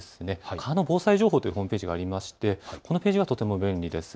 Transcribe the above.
川の防災情報というホームページがありまして、これがとても便利です。